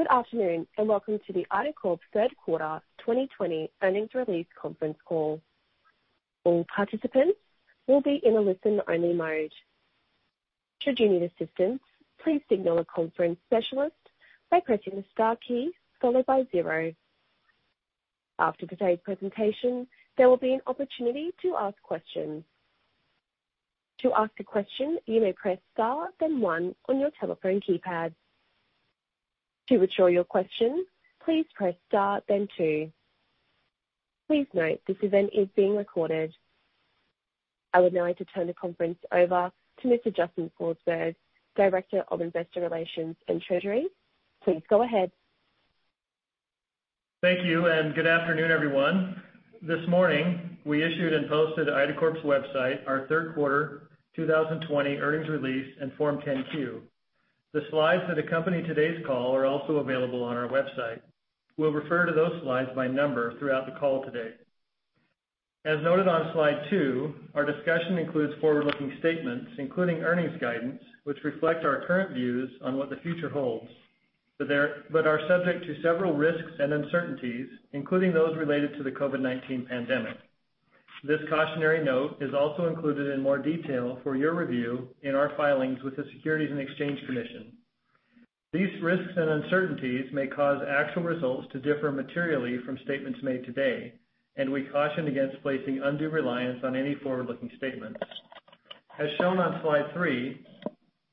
Good afternoon, and welcome to the IDACORP third quarter 2020 earnings release conference call. All participants will be in a listen-only mode. Should you need assistance, please signal a conference specialist by pressing star key followed by zero. After today's presentation, there will be an opportunity to ask questions. To ask a question you may press star then one on your telephone keypad. To withdraw your question, please press star then two. Please note that this event is being recorded. I would now like to turn the conference over to Mr. Justin Forsberg, Director of Investor Relations and Treasury. Please go ahead. Thank you, and good afternoon, everyone. This morning, we issued and posted IDACORP's website our third quarter 2020 earnings release and Form 10-Q. The slides that accompany today's call are also available on our website. We'll refer to those slides by number throughout the call today. As noted on slide two, our discussion includes forward-looking statements, including earnings guidance, which reflect our current views on what the future holds, are subject to several risks and uncertainties, including those related to the COVID-19 pandemic. This cautionary note is also included in more detail for your review in our filings with the Securities and Exchange Commission. These risks and uncertainties may cause actual results to differ materially from statements made today, we caution against placing undue reliance on any forward-looking statements. As shown on slide three,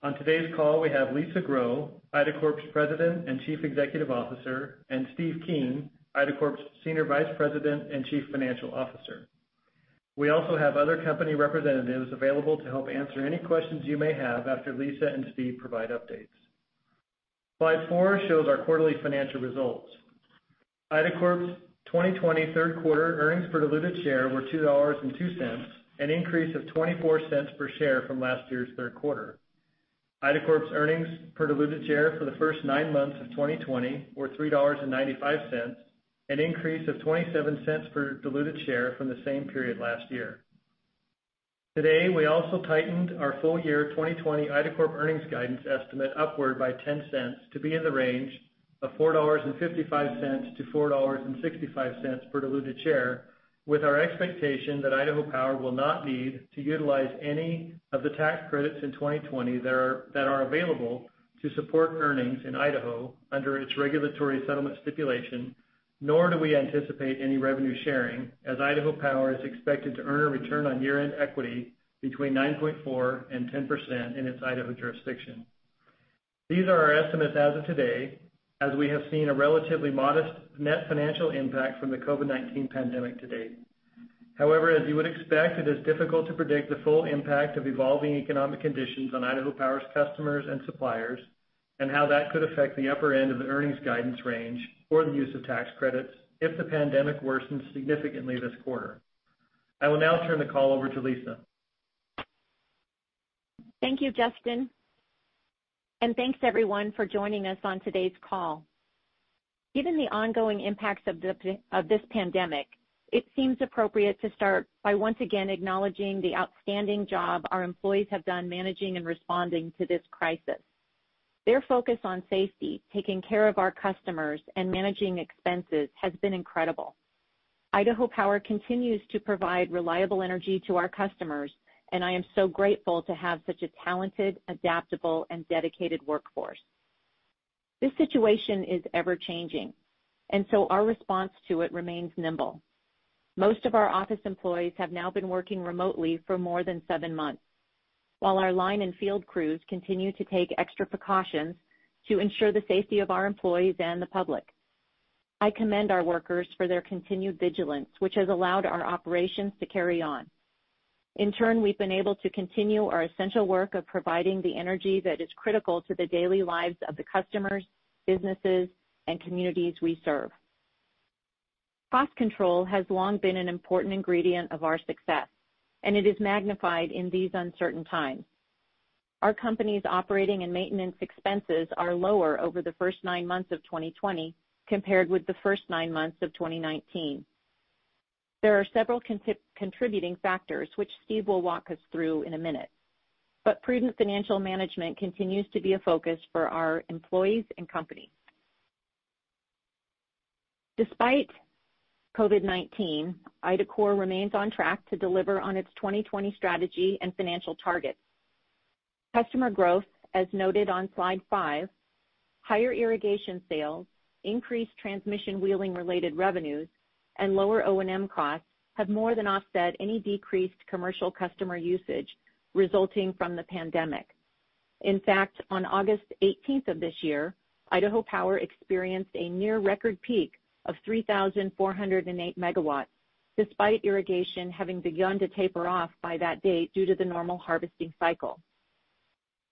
on today's call, we have Lisa Grow, IDACORP's President and Chief Executive Officer, and Steve Keen, IDACORP's Senior Vice President and Chief Financial Officer. We also have other company representatives available to help answer any questions you may have after Lisa and Steve provide updates. Slide four shows our quarterly financial results. IDACORP's 2020 third quarter earnings per diluted share were $2.02, an increase of $0.24 per share from last year's third quarter. IDACORP's earnings per diluted share for the first nine months of 2020 were $3.95, an increase of $0.27 per diluted share from the same period last year. Today, we also tightened our full year 2020 IDACORP earnings guidance estimate upward by $0.10 to be in the range of $4.55-$4.65 per diluted share, with our expectation that Idaho Power will not need to utilize any of the tax credits in 2020 that are available to support earnings in Idaho under its regulatory settlement stipulation, nor do we anticipate any revenue sharing, as Idaho Power is expected to earn a return on year-end equity between 9.4%-10% in its Idaho jurisdiction. These are our estimates as of today, as we have seen a relatively modest net financial impact from the COVID-19 pandemic to date. However, as you would expect, it is difficult to predict the full impact of evolving economic conditions on Idaho Power's customers and suppliers and how that could affect the upper end of the earnings guidance range or the use of tax credits if the pandemic worsens significantly this quarter. I will now turn the call over to Lisa. Thank you, Justin. Thanks, everyone, for joining us on today's call. Given the ongoing impacts of this pandemic, it seems appropriate to start by once again acknowledging the outstanding job our employees have done managing and responding to this crisis. Their focus on safety, taking care of our customers, and managing expenses has been incredible. Idaho Power continues to provide reliable energy to our customers, and I am so grateful to have such a talented, adaptable, and dedicated workforce. This situation is ever-changing, and so our response to it remains nimble. Most of our office employees have now been working remotely for more than seven months, while our line and field crews continue to take extra precautions to ensure the safety of our employees and the public. I commend our workers for their continued vigilance, which has allowed our operations to carry on. In turn, we've been able to continue our essential work of providing the energy that is critical to the daily lives of the customers, businesses, and communities we serve. Cost control has long been an important ingredient of our success, and it is magnified in these uncertain times. Our company's operating and maintenance expenses are lower over the first nine months of 2020 compared with the first nine months of 2019. There are several contributing factors which Steve will walk us through in a minute. Prudent financial management continues to be a focus for our employees and company. Despite COVID-19, IDACORP remains on track to deliver on its 2020 strategy and financial targets. Customer growth, as noted on slide five, higher irrigation sales, increased transmission wheeling-related revenues, and lower O&M costs have more than offset any decreased commercial customer usage resulting from the pandemic. In fact, on August 18th of this year, Idaho Power experienced a near record peak of 3,408 MW, despite irrigation having begun to taper off by that date due to the normal harvesting cycle.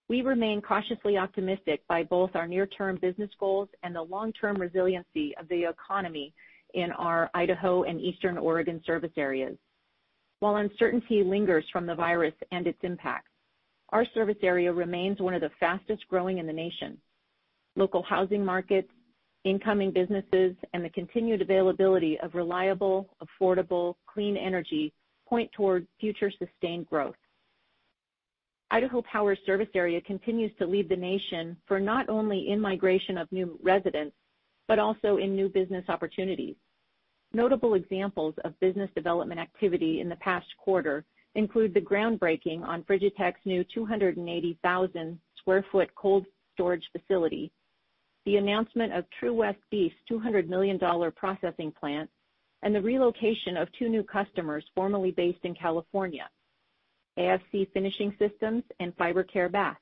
We remain cautiously optimistic by both our near-term business goals and the long-term resiliency of the economy in our Idaho and Eastern Oregon service areas. While uncertainty lingers from the virus and its impacts, our service area remains one of the fastest-growing in the nation. Local housing markets, incoming businesses, and the continued availability of reliable, affordable, clean energy point toward future sustained growth. Idaho Power service area continues to lead the nation for not only in-migration of new residents, but also in new business opportunities. Notable examples of business development activity in the past quarter include the groundbreaking on Frigitek's new 280,000 sq ft cold storage facility, the announcement of True West Beef's $200 million processing plant, and the relocation of two new customers formerly based in California, AFC Finishing Systems and Fiber Care Baths.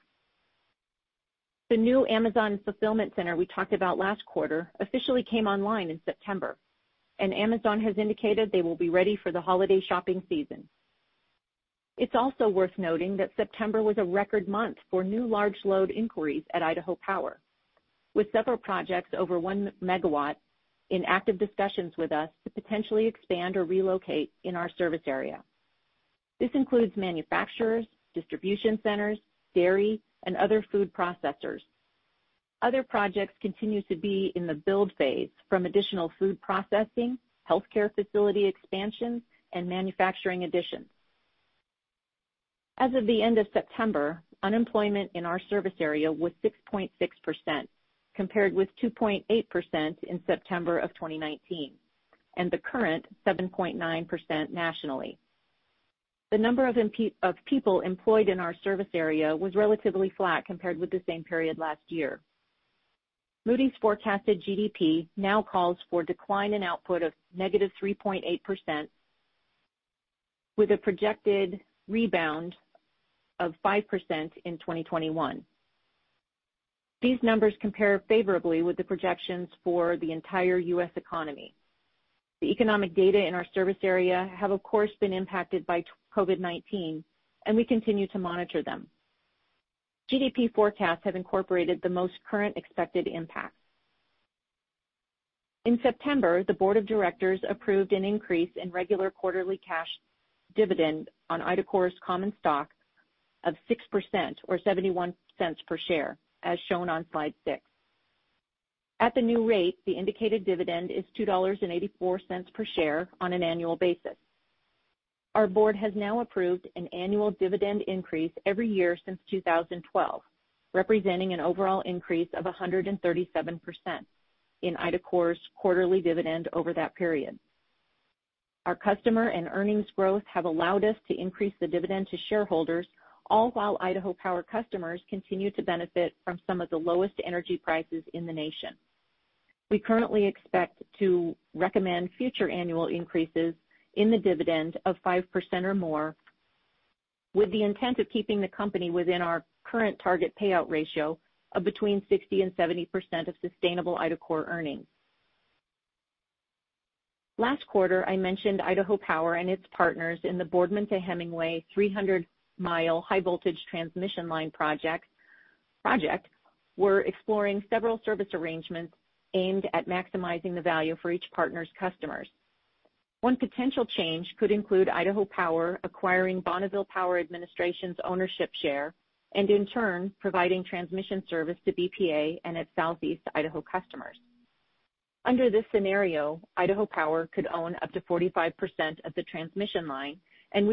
The new Amazon fulfillment center we talked about last quarter officially came online in September, and Amazon has indicated they will be ready for the holiday shopping season. It's also worth noting that September was a record month for new large load inquiries at Idaho Power, with several projects over 1 MW in active discussions with us to potentially expand or relocate in our service area. This includes manufacturers, distribution centers, dairy, and other food processors. Other projects continue to be in the build phase from additional food processing, healthcare facility expansions, and manufacturing additions. As of the end of September, unemployment in our service area was 6.6%, compared with 2.8% in September of 2019, and the current 7.9% nationally. The number of people employed in our service area was relatively flat compared with the same period last year. Moody's forecasted GDP now calls for decline in output of -3.8% with a projected rebound of 5% in 2021. These numbers compare favorably with the projections for the entire U.S. economy. The economic data in our service area have, of course, been impacted by COVID-19, and we continue to monitor them. GDP forecasts have incorporated the most current expected impacts. In September, the board of directors approved an increase in regular quarterly cash dividend on IDACORP's common stock of 6% or $0.71 per share, as shown on slide six. At the new rate, the indicated dividend is $2.84 per share on an annual basis. Our board has now approved an annual dividend increase every year since 2012, representing an overall increase of 137% in IDACORP's quarterly dividend over that period. Our customer and earnings growth have allowed us to increase the dividend to shareholders all while Idaho Power customers continue to benefit from some of the lowest energy prices in the nation. We currently expect to recommend future annual increases in the dividend of 5% or more with the intent of keeping the company within our current target payout ratio of between 60% and 70% of sustainable IDACORP earnings. Last quarter, I mentioned Idaho Power and its partners in the Boardman to Hemingway 300-mi high voltage transmission line project were exploring several service arrangements aimed at maximizing the value for each partner's customers. One potential change could include Idaho Power acquiring Bonneville Power Administration's ownership share and in turn, providing transmission service to BPA and its Southeast Idaho customers. Under this scenario, Idaho Power could own up to 45% of the transmission line, and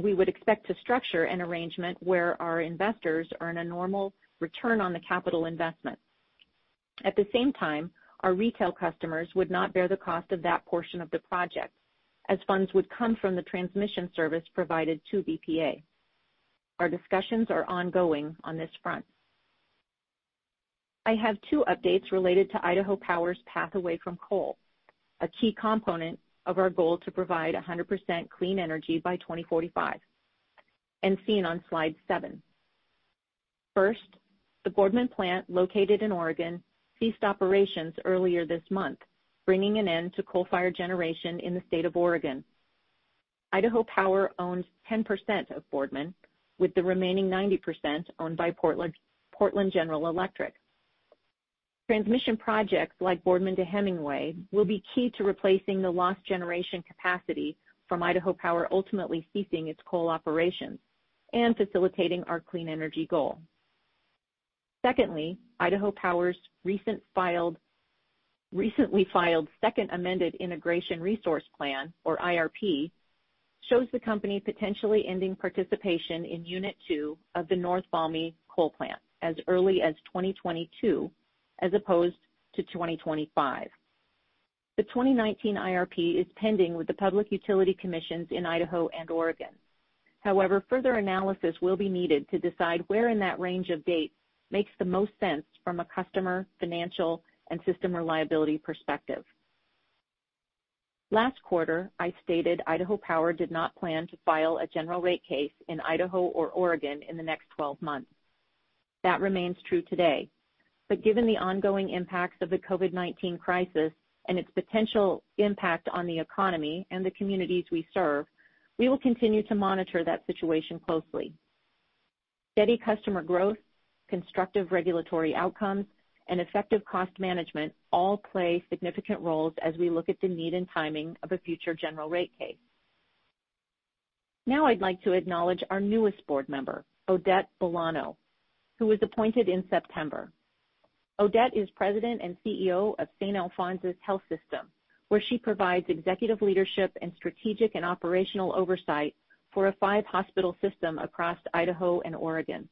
we would expect to structure an arrangement where our investors earn a normal return on the capital investment. At the same time, our retail customers would not bear the cost of that portion of the project as funds would come from the transmission service provided to BPA. Our discussions are ongoing on this front. I have two updates related to Idaho Power's path away from coal, a key component of our goal to provide 100% clean energy by 2045 and seen on slide seven. First, the Boardman plant located in Oregon ceased operations earlier this month, bringing an end to coal-fired generation in the state of Oregon. Idaho Power owns 10% of Boardman, with the remaining 90% owned by Portland General Electric. Transmission projects like Boardman to Hemingway will be key to replacing the lost generation capacity from Idaho Power ultimately ceasing its coal operations and facilitating our clean energy goal. Secondly, Idaho Power's recently filed second amended integrated resource plan, or IRP, shows the company potentially ending participation in unit two of the North Valmy coal plant as early as 2022, as opposed to 2025. The 2019 IRP is pending with the Public Utility Commissions in Idaho and Oregon. However, further analysis will be needed to decide where in that range of dates makes the most sense from a customer, financial, and system reliability perspective. Last quarter, I stated Idaho Power did not plan to file a general rate case in Idaho or Oregon in the next 12 months. That remains true today. Given the ongoing impacts of the COVID-19 crisis and its potential impact on the economy and the communities we serve, we will continue to monitor that situation closely. Steady customer growth, constructive regulatory outcomes, and effective cost management all play significant roles as we look at the need and timing of a future general rate case. I'd like to acknowledge our newest board member, Odette Bolano, who was appointed in September. Odette is President and CEO of Saint Alphonsus Health System, where she provides executive leadership and strategic and operational oversight for a five-hospital system across Idaho and Oregon.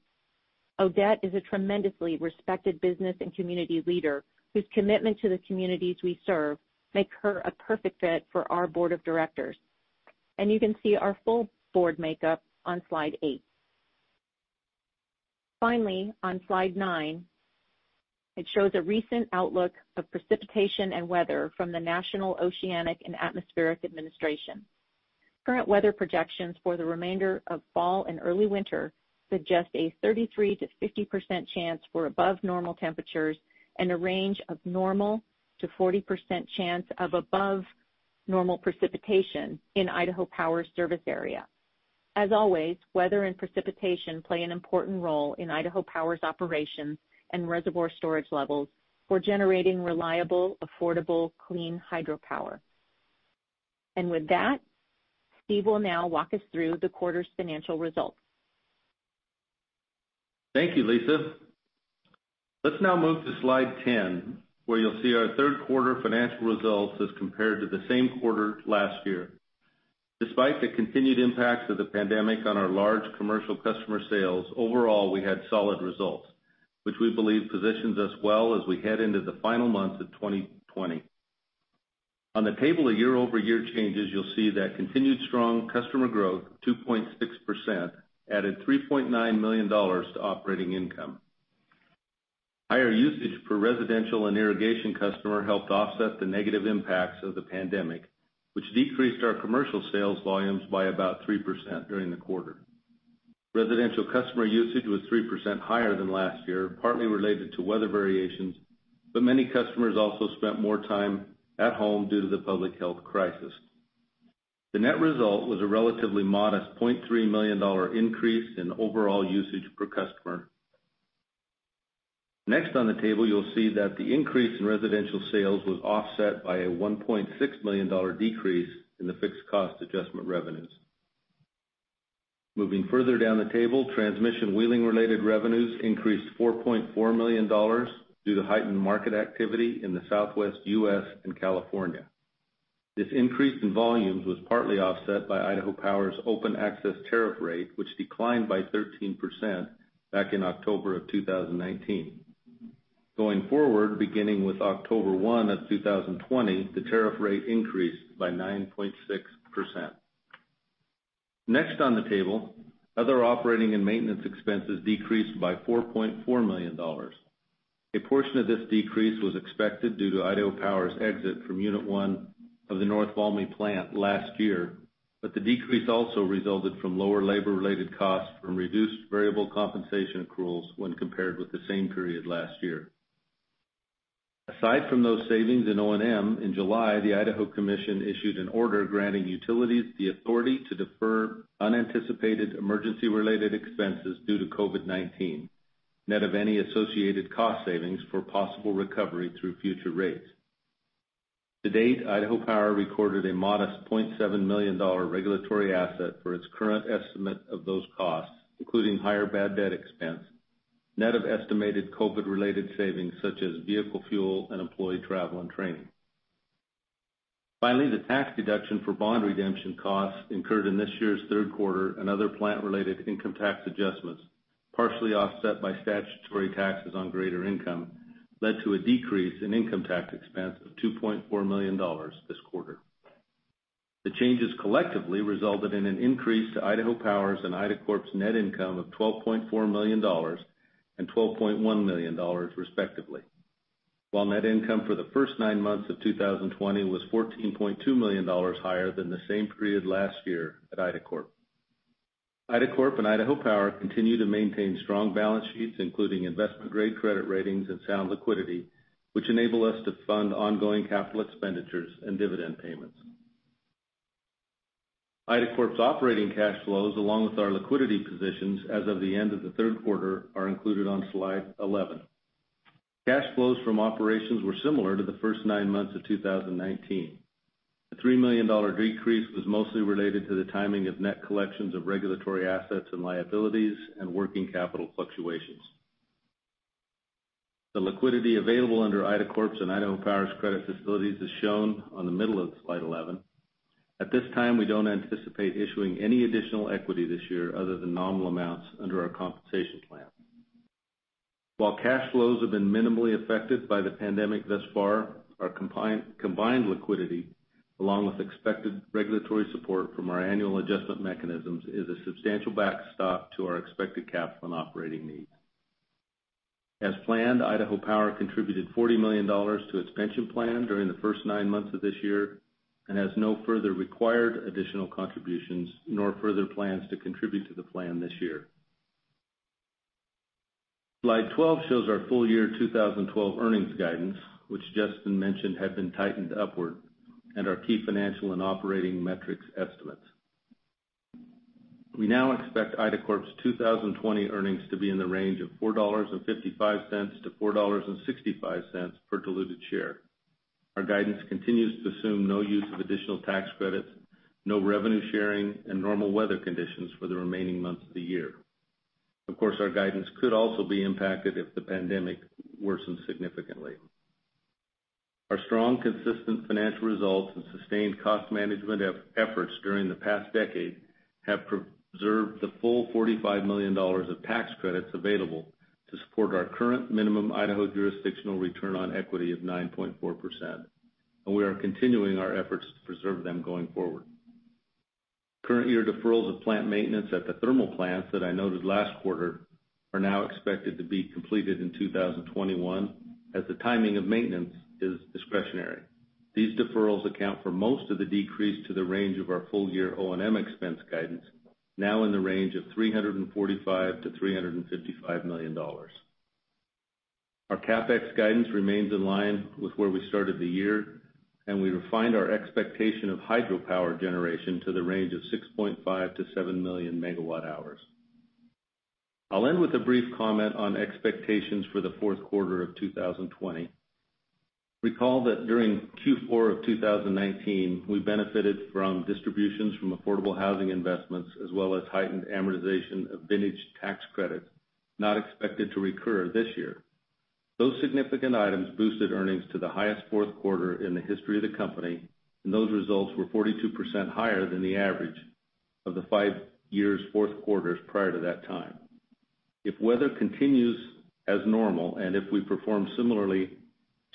Odette is a tremendously respected business and community leader whose commitment to the communities we serve make her a perfect fit for our board of directors. You can see our full board makeup on slide eight. Finally, on slide nine, it shows a recent outlook of precipitation and weather from the National Oceanic and Atmospheric Administration. Current weather projections for the remainder of fall and early winter suggest a 33%-50% chance for above normal temperatures and a range of normal to 40% chance of above normal precipitation in Idaho Power service area. As always, weather and precipitation play an important role in Idaho Power's operations and reservoir storage levels for generating reliable, affordable, clean hydropower. With that, Steve will now walk us through the quarter's financial results. Thank you, Lisa. Let's now move to slide 10, where you'll see our third quarter financial results as compared to the same quarter last year. Despite the continued impacts of the pandemic on our large commercial customer sales, overall, we had solid results, which we believe positions us well as we head into the final months of 2020. On the table of year-over-year changes, you'll see that continued strong customer growth, 2.6%, added $3.9 million to operating income. Higher usage per residential and irrigation customer helped offset the negative impacts of the pandemic, which decreased our commercial sales volumes by about 3% during the quarter. Residential customer usage was 3% higher than last year, partly related to weather variations, but many customers also spent more time at home due to the public health crisis. The net result was a relatively modest $0.3 million increase in overall usage per customer. Next on the table, you'll see that the increase in residential sales was offset by a $1.6 million decrease in the fixed cost adjustment revenues. Moving further down the table, transmission wheeling-related revenues increased $4.4 million due to heightened market activity in the Southwest U.S. and California. This increase in volumes was partly offset by Idaho Power's Open Access Tariff rate, which declined by 13% back in October of 2019. Going forward, beginning with October 1 of 2020, the tariff rate increased by 9.6%. Next on the table, other operating and maintenance expenses decreased by $4.4 million. A portion of this decrease was expected due to Idaho Power's exit from unit one of the North Valmy Plant last year, but the decrease also resulted from lower labor-related costs from reduced variable compensation accruals when compared with the same period last year. Aside from those savings in O&M, in July, the Idaho Commission issued an order granting utilities the authority to defer unanticipated emergency-related expenses due to COVID-19, net of any associated cost savings for possible recovery through future rates. To date, Idaho Power recorded a modest $0.7 million regulatory asset for its current estimate of those costs, including higher bad debt expense, net of estimated COVID-related savings such as vehicle fuel and employee travel and training. The tax deduction for bond redemption costs incurred in this year's third quarter and other plant-related income tax adjustments, partially offset by statutory taxes on greater income, led to a decrease in income tax expense of $2.4 million this quarter. The changes collectively resulted in an increase to Idaho Power's and IDACORP's net income of $12.4 million and $12.1 million, respectively. While net income for the first nine months of 2020 was $14.2 million higher than the same period last year at IDACORP. IDACORP and Idaho Power continue to maintain strong balance sheets, including investment-grade credit ratings and sound liquidity, which enable us to fund ongoing capital expenditures and dividend payments. IDACORP's operating cash flows, along with our liquidity positions as of the end of the third quarter, are included on slide 11. Cash flows from operations were similar to the first nine months of 2019. The $3 million decrease was mostly related to the timing of net collections of regulatory assets and liabilities and working capital fluctuations. The liquidity available under IDACORP's and Idaho Power's credit facilities is shown on the middle of slide 11. At this time, we don't anticipate issuing any additional equity this year other than nominal amounts under our compensation plan. While cash flows have been minimally affected by the pandemic thus far, our combined liquidity, along with expected regulatory support from our annual adjustment mechanisms, is a substantial backstop to our expected capital and operating needs. As planned, Idaho Power contributed $40 million to its pension plan during the first nine months of this year and has no further required additional contributions nor further plans to contribute to the plan this year. Slide 12 shows our full-year 2012 earnings guidance, which Justin mentioned had been tightened upward, and our key financial and operating metrics estimates. We now expect IDACORP's 2020 earnings to be in the range of $4.55-$4.65 per diluted share. Our guidance continues to assume no use of additional tax credits, no revenue sharing, and normal weather conditions for the remaining months of the year. Of course, our guidance could also be impacted if the pandemic worsens significantly. Our strong, consistent financial results and sustained cost management efforts during the past decade have preserved the full $45 million of tax credits available to support our current minimum Idaho jurisdictional return on equity of 9.4%. We are continuing our efforts to preserve them going forward. Current year deferrals of plant maintenance at the thermal plants that I noted last quarter are now expected to be completed in 2021, as the timing of maintenance is discretionary. These deferrals account for most of the decrease to the range of our full-year O&M expense guidance, now in the range of $345 million-$355 million. Our CapEx guidance remains in line with where we started the year, and we refined our expectation of hydropower generation to the range of 6.5-7 million MWh. I'll end with a brief comment on expectations for the fourth quarter of 2020. Recall that during Q4 of 2019, we benefited from distributions from affordable housing investments, as well as heightened amortization of vintage tax credits not expected to recur this year. Those significant items boosted earnings to the highest fourth quarter in the history of the company, and those results were 42% higher than the average of the five years' fourth quarters prior to that time. If weather continues as normal, and if we perform similarly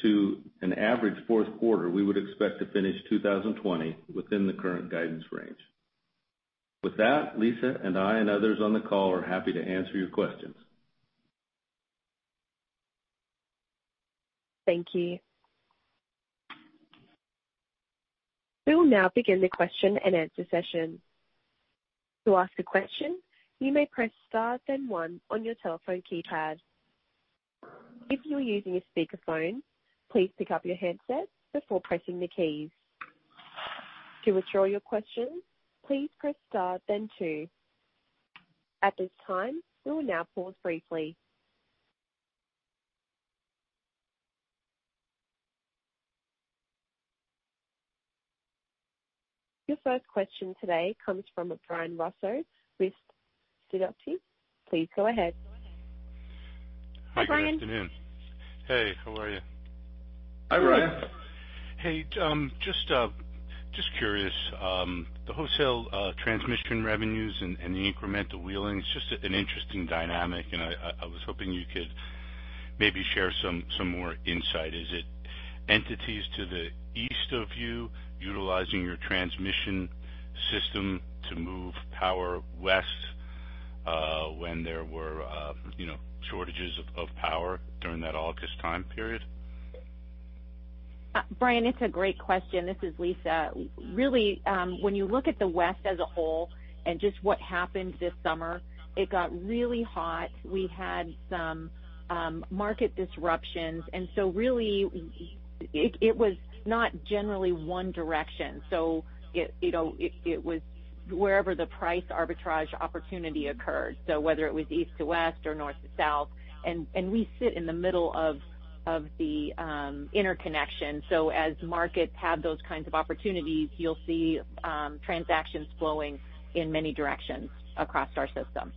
to an average fourth quarter, we would expect to finish 2020 within the current guidance range. With that, Lisa and I and others on the call are happy to answer your questions. Thank you. We will now begin the question and answer session. To ask a question, you may press star then one on your telephone keypad. If you are using a speakerphone, please pick up your handset before pressing the keys. To withdraw your question, please press star then two. At this time, we will know pause briefly. Your first question today comes from Brian Russo with Sidoti. Please go ahead. Hi, good afternoon. Hi, Brian. Hey, how are you? Hi, Brian. Hey, just curious. The wholesale transmission revenues and the incremental wheeling, it is just an interesting dynamic, and I was hoping you could maybe share some more insight. Is it entities to the east of you utilizing your transmission system to move power west when there were shortages of power during that August time period? Brian, it's a great question. This is Lisa. Really, when you look at the West as a whole and just what happened this summer, it got really hot. We had some market disruptions. Really, it was not generally one direction. It was wherever the price arbitrage opportunity occurred, so whether it was east to west or north to south. We sit in the middle of the interconnection, so as markets have those kinds of opportunities, you'll see transactions flowing in many directions across our system.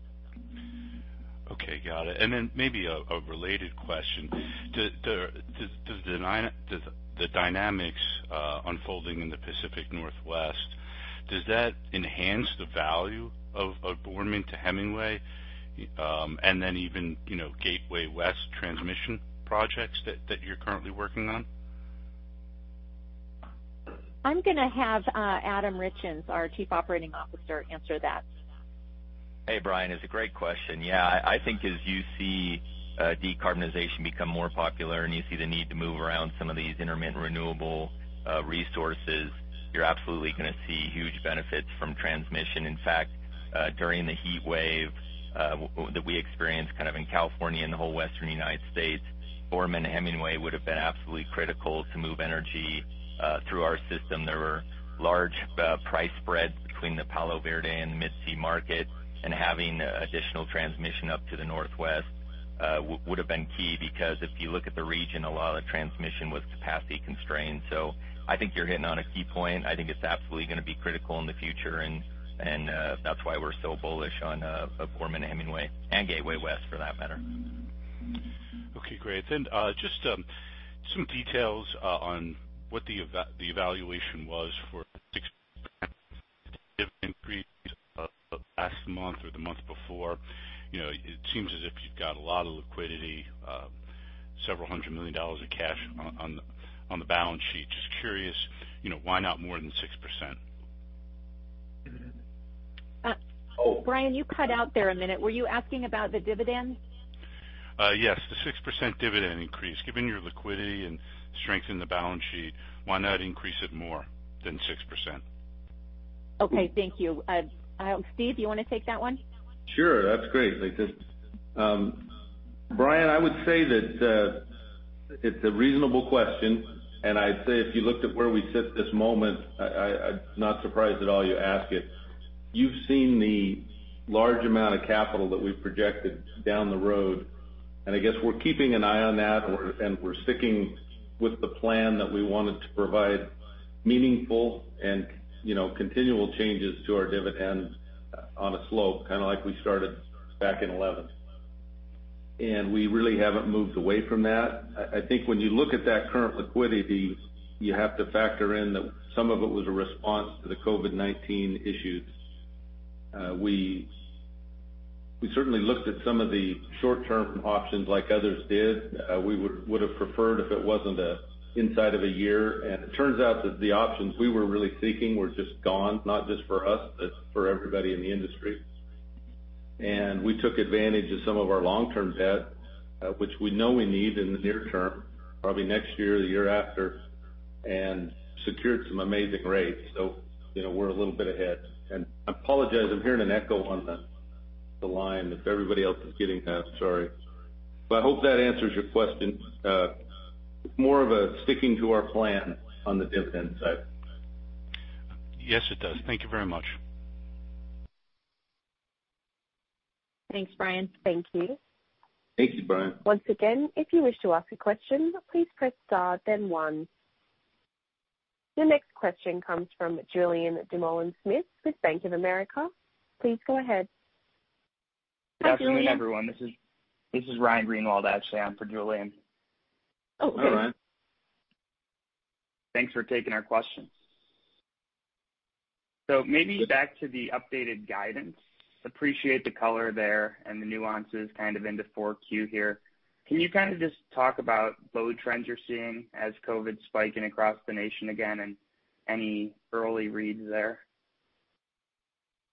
Okay, got it. Maybe a related question. Does the dynamics unfolding in the Pacific Northwest, does that enhance the value of Boardman to Hemingway, and then even, Gateway West Transmission projects that you're currently working on? I'm going to have Adam Richins, our Chief Operating Officer, answer that. Hey, Brian, it's a great question. I think as you see decarbonization become more popular and you see the need to move around some of these intermittent renewable resources, you're absolutely going to see huge benefits from transmission. In fact, during the heat wave that we experienced in California and the whole Western United States, Boardman to Hemingway would have been absolutely critical to move energy through our system. There were large price spreads between the Palo Verde and the Mid-C market, and having additional transmission up to the Northwest would have been key because if you look at the region, a lot of the transmission was capacity constrained. I think you're hitting on a key point. I think it's absolutely going to be critical in the future, and that's why we're so bullish on Boardman to Hemingway and Gateway West, for that matter. Okay, great. Just some details on what the evaluation was for increase of last month or the month before. It seems as if you've got a lot of liquidity, several hundred million dollars in cash on the balance sheet. Just curious, why not more than 6%? Brian, you cut out there a minute. Were you asking about the dividends? Yes. The 6% dividend increase. Given your liquidity and strength in the balance sheet, why not increase it more than 6%? Okay. Thank you. Steve, you want to take that one? Sure. That's great, Lisa. Brian, I would say that it's a reasonable question, and I'd say if you looked at where we sit this moment, I'm not surprised at all you ask it. You've seen the large amount of capital that we've projected down the road, and I guess we're keeping an eye on that, and we're sticking with the plan that we wanted to provide meaningful and continual changes to our dividend on a slope, kind of like we started back in 2011. We really haven't moved away from that. I think when you look at that current liquidity, you have to factor in that some of it was a response to the COVID-19 issues. We certainly looked at some of the short-term options like others did. We would have preferred if it wasn't inside of a year. It turns out that the options we were really seeking were just gone, not just for us, but for everybody in the industry. We took advantage of some of our long-term debt, which we know we need in the near term, probably next year or the year after, and secured some amazing rates. We're a little bit ahead. I apologize, I'm hearing an echo on the line, if everybody else is getting that, sorry. I hope that answers your question. More of a sticking to our plan on the dividend side. Yes, it does. Thank you very much. Thanks, Brian. Thank you. Thank you, Brian. Once again, if you wish to ask a question, please press star then one. Your next question comes from Julien Dumoulin-Smith with Bank of America. Please go ahead. Hi, Julien. Good afternoon, everyone. This is Ryan Greenwald, actually. I'm for Julien. Oh, okay. Hi, Ryan. Thanks for taking our questions. Maybe back to the updated guidance. Appreciate the color there and the nuances kind of into 4Q here. Can you kind of just talk about load trends you're seeing as COVID's spiking across the nation again, and any early reads there?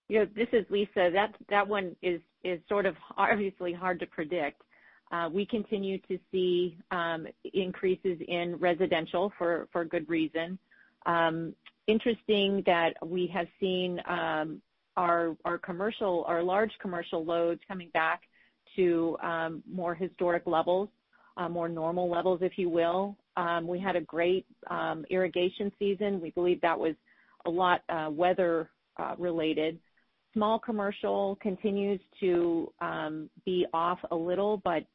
This is Lisa. That one is sort of obviously hard to predict. We continue to see increases in residential for good reason. Interesting that we have seen our large commercial loads coming back to more historic levels, more normal levels, if you will. We had a great irrigation season. We believe that was a lot weather-related. Small commercial continues to be off a little, but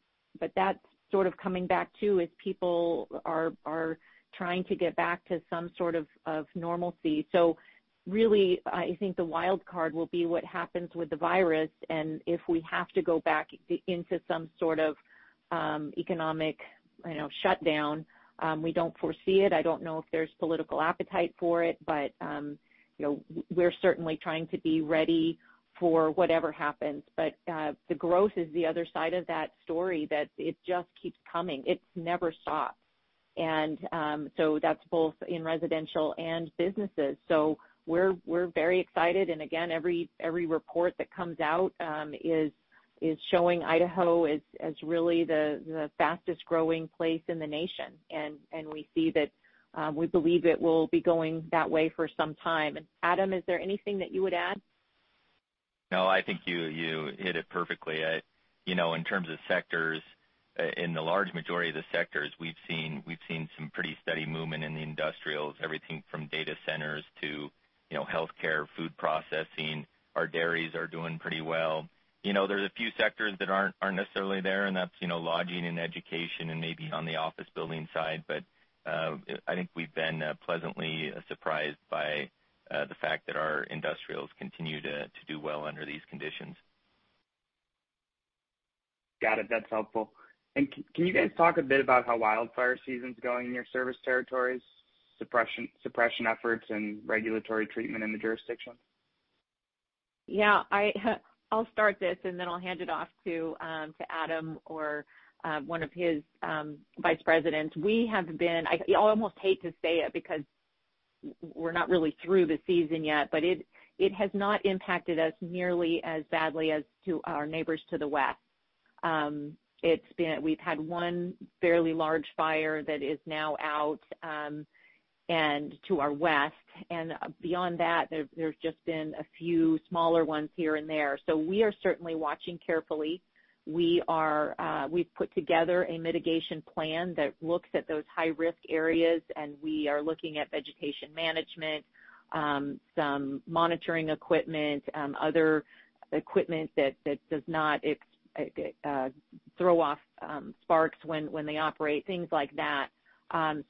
that's sort of coming back, too, as people are trying to get back to some sort of normalcy. Really, I think the wild card will be what happens with the virus and if we have to go back into some sort of economic shutdown. We don't foresee it. I don't know if there's political appetite for it. We're certainly trying to be ready for whatever happens. The growth is the other side of that story that it just keeps coming. It never stops. That's both in residential and businesses. We're very excited. Again, every report that comes out is showing Idaho as really the fastest-growing place in the nation. We believe it will be going that way for some time. Adam, is there anything that you would add? No, I think you hit it perfectly. In terms of sectors, in the large majority of the sectors, we've seen some pretty steady movement in the industrials, everything from data centers to healthcare, food processing. Our dairies are doing pretty well. There's a few sectors that aren't necessarily there, and that's lodging and education and maybe on the office building side. I think we've been pleasantly surprised by the fact that our industrials continue to do well under these conditions. Got it. That's helpful. Can you guys talk a bit about how wildfire season's going in your service territories, suppression efforts, and regulatory treatment in the jurisdiction? Yeah. I'll start this, and then I'll hand it off to Adam or one of his vice presidents. I almost hate to say it because we're not really through the season yet, but it has not impacted us nearly as badly as to our neighbors to the West. We've had one fairly large fire that is now out and to our west. Beyond that, there's just been a few smaller ones here and there. We are certainly watching carefully. We've put together a mitigation plan that looks at those high-risk areas, and we are looking at vegetation management, some monitoring equipment, other equipment that does not throw off sparks when they operate, things like that.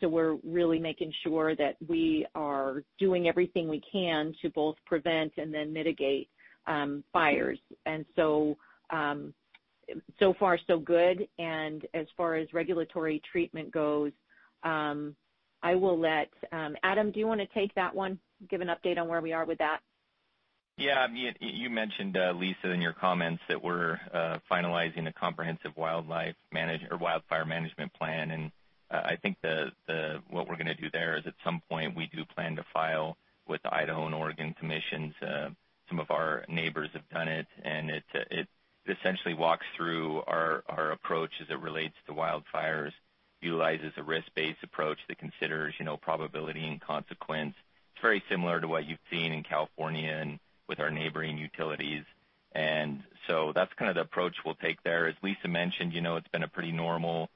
We're really making sure that we are doing everything we can to both prevent and then mitigate fires. So far, so good. As far as regulatory treatment goes, Adam, do you want to take that one? Give an update on where we are with that. Yeah. You mentioned, Lisa, in your comments that we're finalizing a comprehensive wildfire management plan. I think what we're going to do there is at some point, we do plan to file with the Idaho and Oregon Commissions. Some of our neighbors have done it, and it essentially walks through our approach as it relates to wildfires, utilizes a risk-based approach that considers probability and consequence. It's very similar to what you've seen in California and with our neighboring utilities. That's kind of the approach we'll take there. As Lisa mentioned, it's been a pretty normal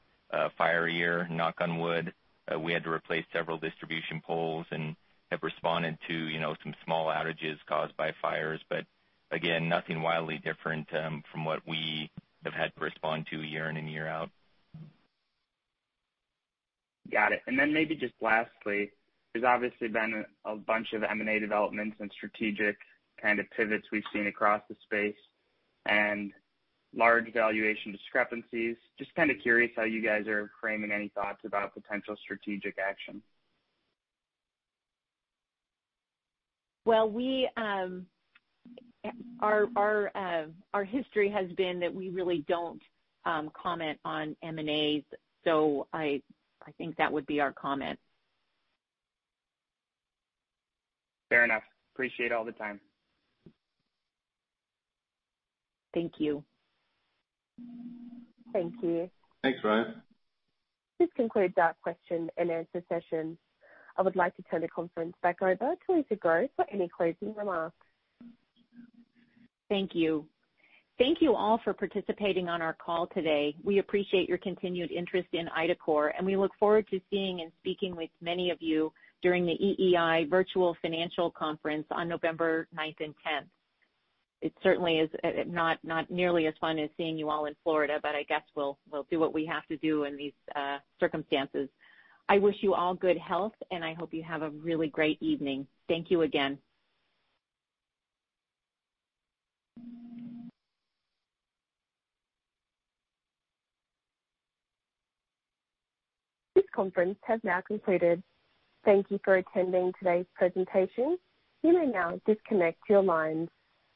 fire year, knock on wood. We had to replace several distribution poles and have responded to some small outages caused by fires. Again, nothing wildly different from what we have had to respond to year in and year out. Got it. Maybe just lastly, there's obviously been a bunch of M&A developments and strategic kind of pivots we've seen across the space and large valuation discrepancies. Just kind of curious how you guys are framing any thoughts about potential strategic action. Well, our history has been that we really don't comment on M&As, so I think that would be our comment. Fair enough. Appreciate all the time. Thank you. Thank you. Thanks, Ryan. This concludes our question and answer session. I would like to turn the conference back over to Lisa Grow for any closing remarks. Thank you. Thank you all for participating on our call today. We appreciate your continued interest in IDACORP, and we look forward to seeing and speaking with many of you during the EEI Virtual Financial Conference on November 9th and 10th. It certainly is not nearly as fun as seeing you all in Florida, but I guess we'll do what we have to do in these circumstances. I wish you all good health, and I hope you have a really great evening. Thank you again. This conference has now concluded. Thank you for attending today's presentation. You may now disconnect your lines.